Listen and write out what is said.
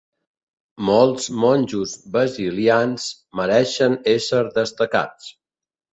Molts monjos basilians mereixen ésser destacats.